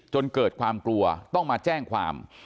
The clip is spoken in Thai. จนเกิดความกลัวต้องมาแจ้งความ